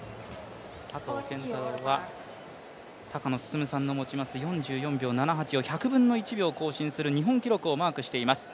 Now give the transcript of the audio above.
佐藤拳太郎は高野進さんの持ちます４４秒７８を１００分の１秒更新する日本記録をマークしています